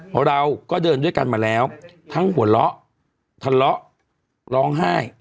เพราะเราก็เดินด้วยกันมาแล้วทั้งหัวเราะทะเลาะร้องไห้